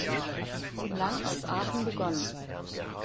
Lang aus Aachen begonnen.